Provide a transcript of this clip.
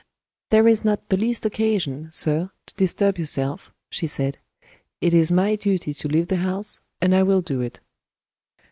"There is not the least occasion, sir, to disturb yourself," she said. "It is my duty to leave the house and I will do it."